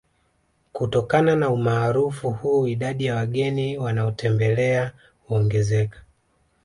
Kutokana na Umaarufu huo idadi ya wageni wanaotembelea huongezeka